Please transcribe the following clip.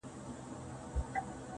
دسرښندنې نوبت نه در کوي